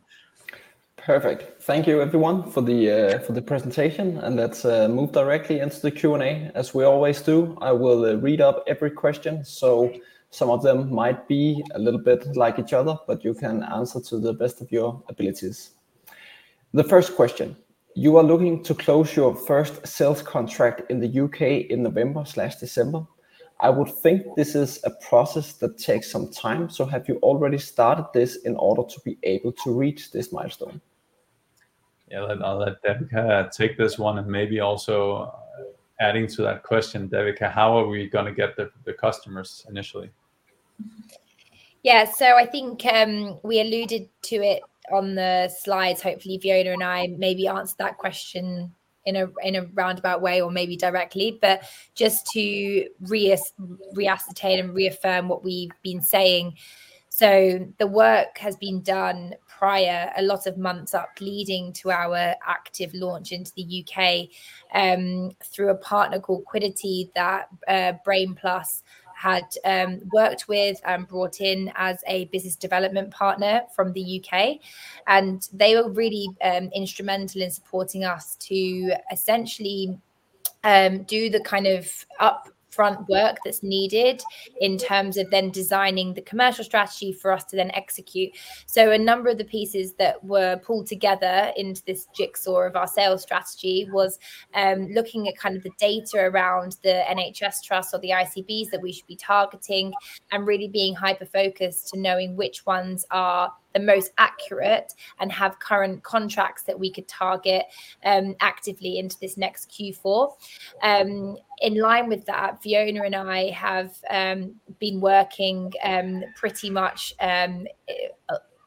Speaker 1: Perfect. Thank you everyone for the presentation, and let's move directly into the Q&A. As we always do, I will read out every question, so some of them might be a little bit like each other, but you can answer to the best of your abilities. The first question: You are looking to close your first sales contract in the UK in November/December. I would think this is a process that takes some time, so have you already started this in order to be able to reach this milestone?
Speaker 2: Yeah, I'll let Devika take this one, and maybe also adding to that question, Devika, how are we gonna get the customers initially?
Speaker 3: Yeah, so I think, we alluded to it on the slides. Hopefully, Fiona and I maybe answered that question in a, in a roundabout way or maybe directly, but just to reascertain and reaffirm what we've been saying. So the work has been done prior, a lot of months up, leading to our active launch into the UK, through a partner called Quiddity that, Brain+ had, worked with and brought in as a business development partner from the UK. And they were really, instrumental in supporting us to essentially, do the kind of upfront work that's needed in terms of then designing the commercial strategy for us to then execute. So a number of the pieces that were pulled together into this jigsaw of our sales strategy was looking at kind of the data around the NHS trusts or the ICBs that we should be targeting and really being hyper-focused to knowing which ones are the most accurate and have current contracts that we could target actively into this next Q4. In line with that, Fiona and I have been working pretty much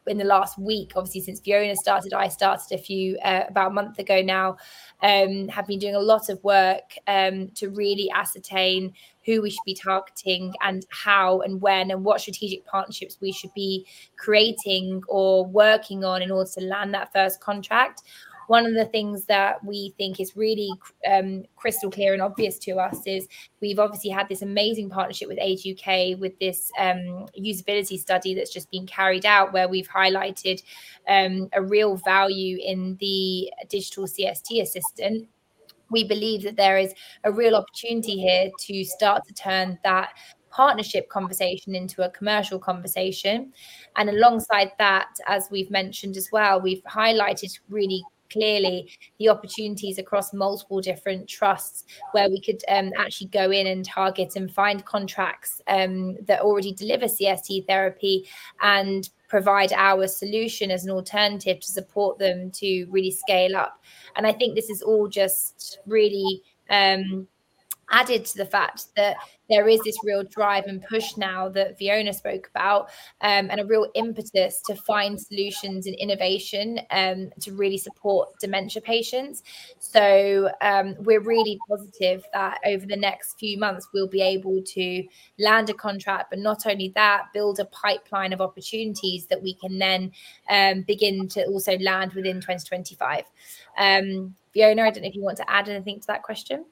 Speaker 3: in the last week, obviously, since Fiona started. I started a few about a month ago now and have been doing a lot of work to really ascertain who we should be targeting and how and when, and what strategic partnerships we should be creating or working on in order to land that first contract. One of the things that we think is really, crystal clear and obvious to us is, we've obviously had this amazing partnership with Age UK, with this usability study that's just been carried out, where we've highlighted a real value in the digital CST Assistant. We believe that there is a real opportunity here to start to turn that partnership conversation into a commercial conversation. And alongside that, as we've mentioned as well, we've highlighted really clearly the opportunities across multiple different trusts, where we could actually go in and target and find contracts that already deliver CST therapy and provide our solution as an alternative to support them to really scale up. I think this is all just really added to the fact that there is this real drive and push now that Fiona spoke about, and a real impetus to find solutions and innovation to really support dementia patients. We're really positive that over the next few months, we'll be able to land a contract, but not only that, build a pipeline of opportunities that we can then begin to also land within 2025. Fiona, I don't know if you want to add anything to that question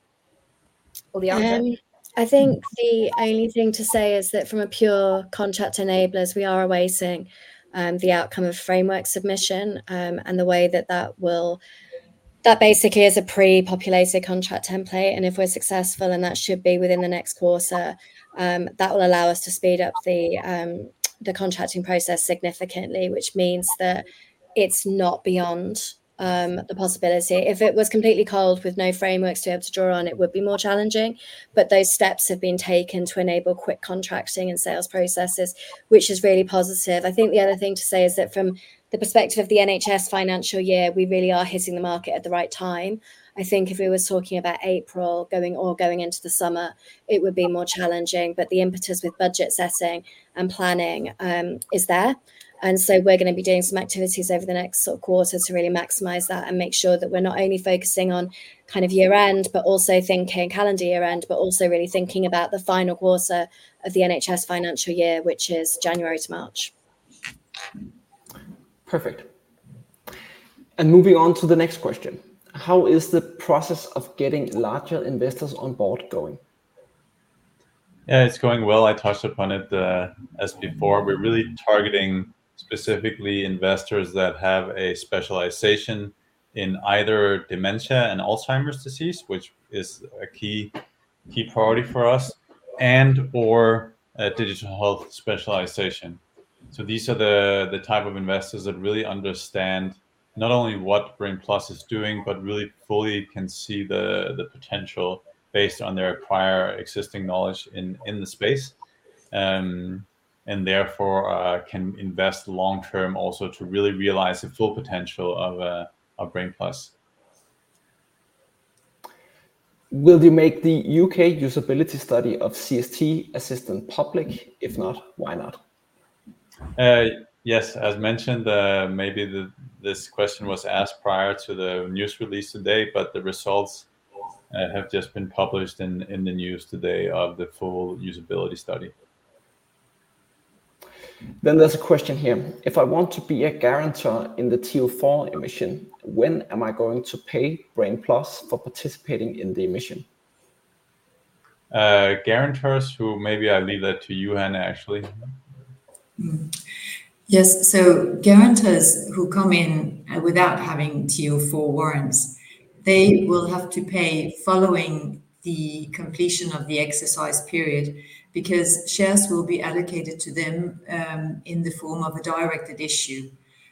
Speaker 3: or the answer?
Speaker 4: I think the only thing to say is that from a pure contract enablers, we are awaiting the outcome of framework submission, and that basically is a pre-populated contract template, and if we're successful, and that should be within the next quarter, that will allow us to speed up the contracting process significantly, which means that it's not beyond the possibility. If it was completely cold with no frameworks to be able to draw on, it would be more challenging. But those steps have been taken to enable quick contracting and sales processes, which is really positive. I think the other thing to say is that from the perspective of the NHS financial year, we really are hitting the market at the right time. I think if we were talking about April or going into the summer, it would be more challenging, but the impetus with budget setting and planning is there. And so we're gonna be doing some activities over the next sort of quarter to really maximize that and make sure that we're not only focusing on kind of year-end, but also thinking calendar year-end, but also really thinking about the final quarter of the NHS financial year, which is January to March.
Speaker 1: Perfect. And moving on to the next question: How is the process of getting larger investors on board going?
Speaker 2: Yeah, it's going well. I touched upon it, as before. We're really targeting specifically investors that have a specialization in either dementia and Alzheimer's disease, which is a key, key priority for us, and/or a digital health specialization. So these are the type of investors that really understand not only what Brain+ is doing, but really fully can see the potential based on their prior existing knowledge in the space. And therefore, can invest long-term also to really realize the full potential of Brain+.
Speaker 1: Will you make the UK usability study of CST Assistant public? If not, why not?
Speaker 2: Yes, as mentioned, maybe this question was asked prior to the news release today, but the results have just been published in the news today of the full usability study.
Speaker 1: Then there's a question here: If I want to be a guarantor in the TO 4 emission, when am I going to pay Brain+ for participating in the emission?
Speaker 2: Guarantors who... Maybe I leave that to you, Hanne, actually.
Speaker 5: Yes, so guarantors who come in without having TO 4 warrants, they will have to pay following the completion of the exercise period, because shares will be allocated to them in the form of a directed issue,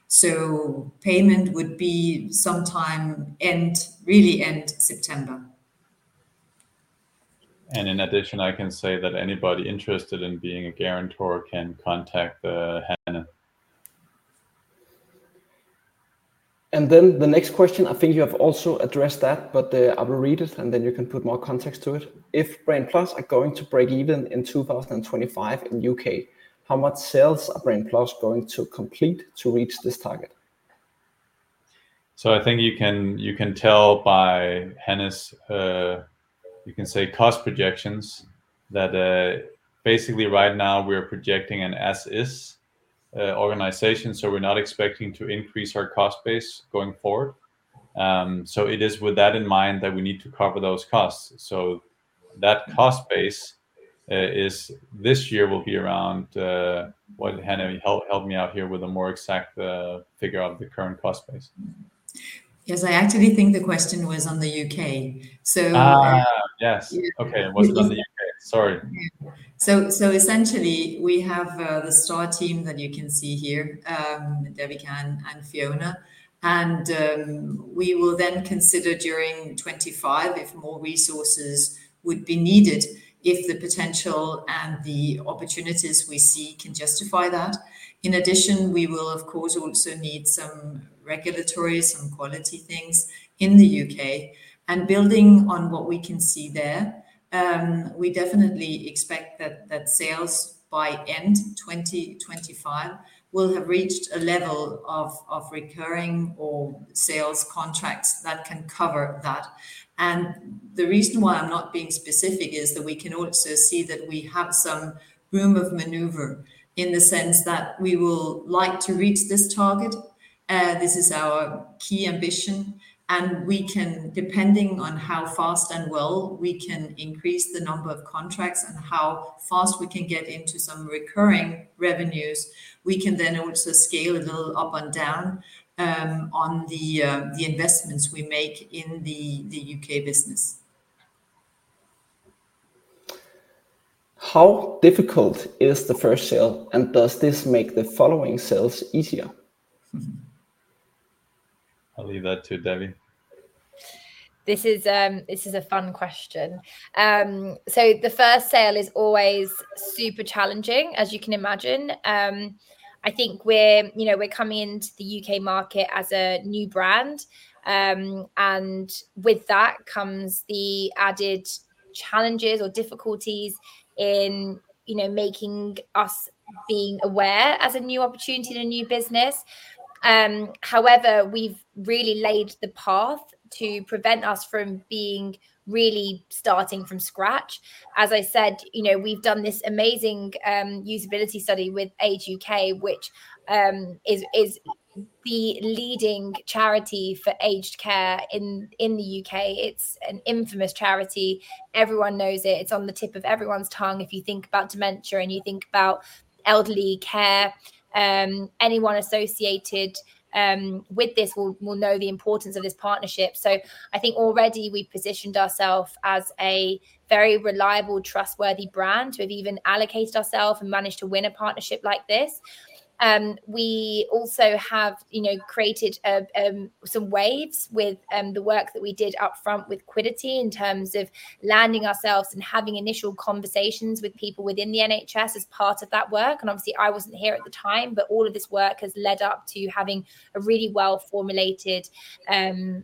Speaker 5: so payment would be sometime end, really end September.
Speaker 2: In addition, I can say that anybody interested in being a guarantor can contact Hanne.
Speaker 1: And then the next question, I think you have also addressed that, but, I will read it, and then you can put more context to it. If Brain+ are going to break even in 2025 in UK, how much sales are Brain+ going to complete to reach this target?
Speaker 2: So I think you can tell by Hanne's cost projections that basically right now we're projecting an as-is organization, so we're not expecting to increase our cost base going forward. So it is with that in mind that we need to cover those costs. So that cost base this year will be around. Well, Hanne, help me out here with a more exact figure of the current cost base.
Speaker 5: Yes, I actually think the question was on the UK, so-
Speaker 2: Ah, yes.
Speaker 5: Yeah.
Speaker 2: Okay, it was on the U.K. Sorry.
Speaker 5: Essentially, we have the star team that you can see here, Devika and Fiona, and we will then consider during 2025 if more resources would be needed if the potential and the opportunities we see can justify that. In addition, we will, of course, also need some regulatory, some quality things in the UK, and building on what we can see there, we definitely expect that sales by end 2025 will have reached a level of recurring or sales contracts that can cover that. The reason why I'm not being specific is that we can also see that we have some room of maneuver, in the sense that we will like to reach this target. This is our key ambition, and we can, depending on how fast and well we can increase the number of contracts and how fast we can get into some recurring revenues, we can then also scale a little up and down, on the investments we make in the UK business.
Speaker 1: How difficult is the first sale, and does this make the following sales easier?
Speaker 2: I'll leave that to Devika.
Speaker 3: This is a fun question, so the first sale is always super challenging, as you can imagine. I think we're, you know, we're coming into the UK market as a new brand, and with that comes the added challenges or difficulties in, you know, making us... being aware as a new opportunity and a new business. However, we've really laid the path to prevent us from being really starting from scratch. As I said, you know, we've done this amazing usability study with Age UK, which is the leading charity for aged care in the U.K. It's a famous charity. Everyone knows it. It's on the tip of everyone's tongue. If you think about dementia, and you think about elderly care, anyone associated with this will know the importance of this partnership. So I think already we've positioned ourself as a very reliable, trustworthy brand. We've even allocated ourselves and managed to win a partnership like this. We also have, you know, created some waves with the work that we did upfront with Quiddity, in terms of landing ourselves and having initial conversations with people within the NHS as part of that work. And obviously, I wasn't here at the time, but all of this work has led up to having a really well-formulated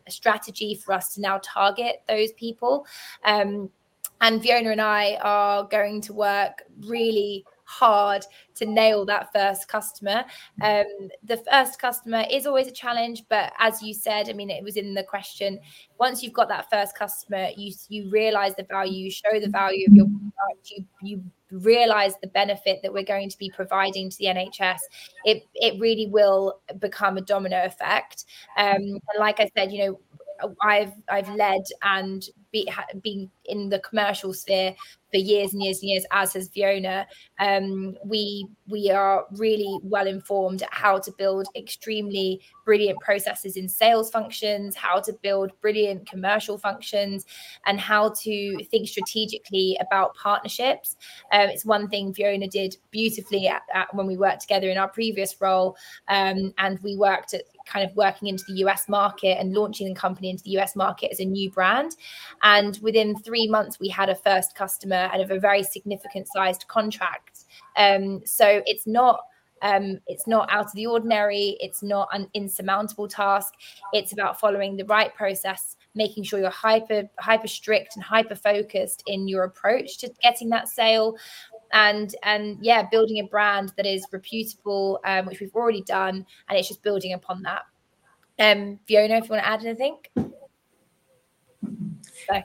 Speaker 3: strategy for us to now target those people. And Fiona and I are going to work really hard to nail that first customer. The first customer is always a challenge, but as you said, I mean, it was in the question, once you've got that first customer, you realize the value, you show the value of your product.
Speaker 4: Mm.
Speaker 3: You realize the benefit that we're going to be providing to the NHS. It really will become a domino effect. Like I said, you know, I've led and been in the commercial sphere for years, and years, and years, as has Fiona. We are really well-informed at how to build extremely brilliant processes in sales functions, how to build brilliant commercial functions, and how to think strategically about partnerships. It's one thing Fiona did beautifully when we worked together in our previous role. And we worked at, kind of, working into the US market and launching the company into the US market as a new brand, and within three months, we had a first customer and a very significant-sized contract. So it's not out of the ordinary. It's not an insurmountable task. It's about following the right process, making sure you're hyper, hyper strict and hyper-focused in your approach to getting that sale, and, yeah, building a brand that is reputable, which we've already done, and it's just building upon that. Fiona, if you want to add anything? Go.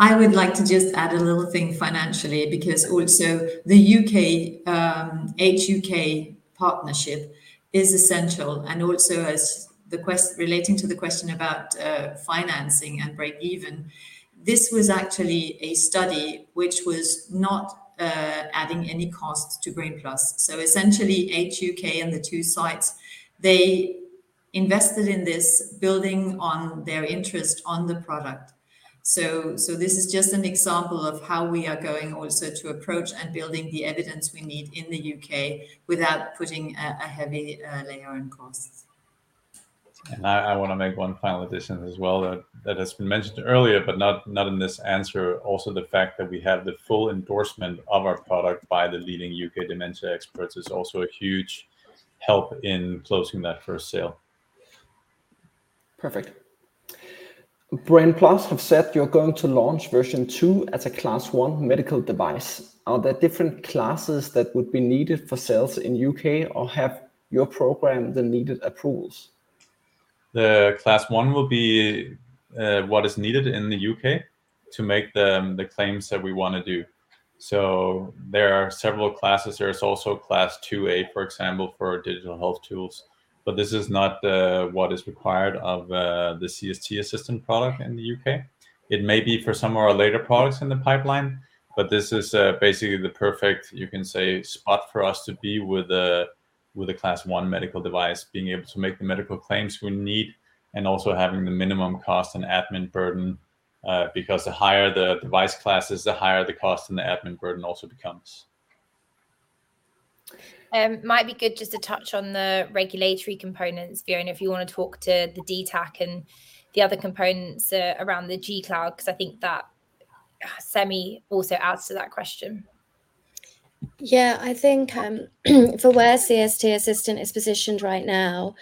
Speaker 4: I would like to just add a little thing financially, because also the UK Age UK partnership is essential. And also, as relating to the question about financing and break even, this was actually a study which was not adding any costs to Brain+. So essentially, Age UK and the two sites, they invested in this, building on their interest on the product. This is just an example of how we are going also to approach and building the evidence we need in the UK without putting a heavy layer on costs.
Speaker 2: I wanna make one final addition as well, that has been mentioned earlier, but not in this answer. Also, the fact that we have the full endorsement of our product by the leading U.K. dementia experts is also a huge help in closing that first sale.
Speaker 1: Perfect. Brain+ have said you're going to launch version two as a Class I medical device. Are there different classes that would be needed for sales in UK, or have your program the needed approvals?
Speaker 2: The Class I will be what is needed in the U.K. to make the claims that we wanna do. So there are several classes. There is also a Class IIa, for example, for digital health tools, but this is not what is required of the CST Assistant product in the U.K. It may be for some of our later products in the pipeline, but this is basically the perfect, you can say, spot for us to be with a Class I medical device, being able to make the medical claims we need and also having the minimum cost and admin burden. Because the higher the device classes, the higher the cost and the admin burden also becomes.
Speaker 3: Might be good just to touch on the regulatory components. Fiona, if you wanna talk to the DTAC and the other components around the G-Cloud, 'cause I think that semi also adds to that question.
Speaker 4: Yeah, I think, for where CST Assistant is positioned right now,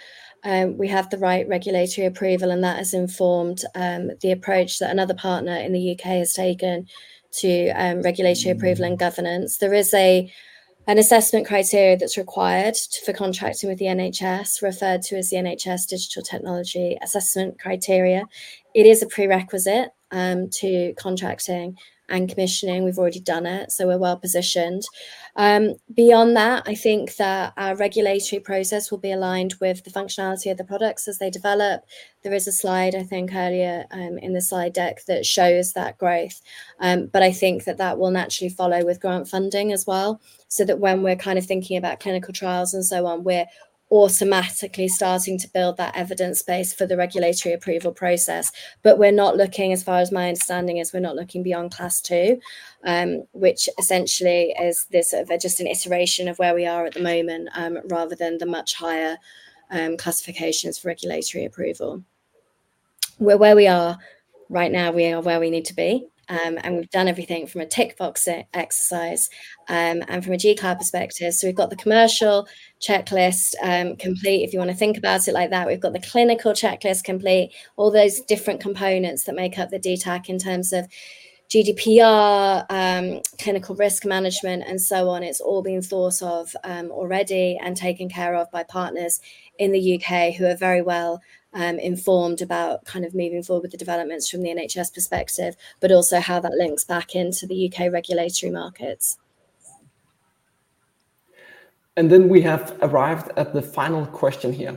Speaker 4: we have the right regulatory approval, and that has informed the approach that another partner in the UK has taken to regulatory approval and governance. There is an assessment criteria that's required for contracting with the NHS, referred to as the NHS Digital Technology Assessment Criteria. It is a prerequisite to contracting and commissioning. We've already done it, so we're well-positioned. Beyond that, I think that our regulatory process will be aligned with the functionality of the products as they develop. There is a slide, I think, earlier in the slide deck that shows that growth. But I think that will naturally follow with grant funding as well, so that when we're kind of thinking about clinical trials and so on, we're automatically starting to build that evidence base for the regulatory approval process. But we're not looking, as far as my understanding, is we're not looking beyond Class II, which essentially is this, just an iteration of where we are at the moment, rather than the much higher classifications for regulatory approval. Where we are right now, we are where we need to be. And we've done everything from a tick box exercise, and from a G-Cloud perspective. So we've got the commercial checklist complete, if you wanna think about it like that. We've got the clinical checklist complete. All those different components that make up the DTAC in terms of GDPR, clinical risk management, and so on, it's all been thought of, already and taken care of by partners in the UK, who are very well, informed about kind of moving forward with the developments from the NHS perspective, but also how that links back into the UK regulatory markets.
Speaker 1: We have arrived at the final question here.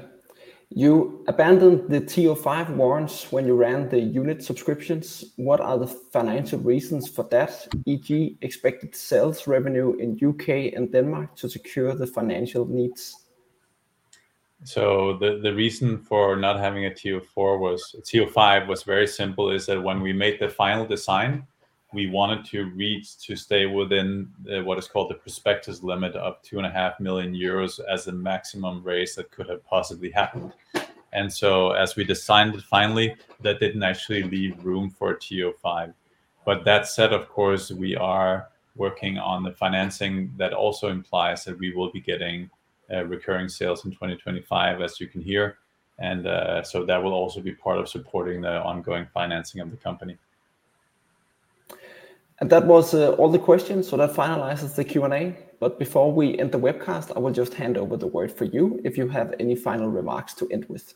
Speaker 1: You abandoned the TO 5 warrants when you ran the unit subscriptions. What are the financial reasons for that, e.g., expected sales revenue in UK and Denmark to secure the financial needs?
Speaker 2: So the reason for not having a TO 4 was TO 5 was very simple, is that when we made the final design, we wanted to reach to stay within what is called the prospectus limit of 2.5 million euros as the maximum raise that could have possibly happened. And so as we designed it finally, that didn't actually leave room for a TO 5. But that said, of course, we are working on the financing. That also implies that we will be getting recurring sales in 2025, as you can hear. And so that will also be part of supporting the ongoing financing of the company.
Speaker 1: And that was all the questions, so that finalizes the Q&A. But before we end the webcast, I will just hand over the word for you, if you have any final remarks to end with.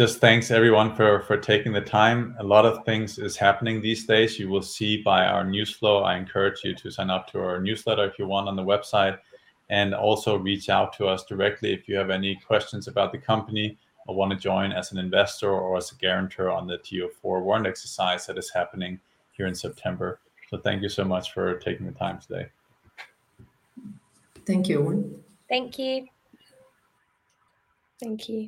Speaker 2: Thanks, everyone, for taking the time. A lot of things is happening these days. You will see by our news flow. I encourage you to sign up to our newsletter if you want, on the website, and also reach out to us directly if you have any questions about the company or wanna join as an investor or as a guarantor on the TO 4 warrant exercise that is happening here in September. So thank you so much for taking the time today.
Speaker 5: Thank you, all.
Speaker 3: Thank you.
Speaker 4: Thank you.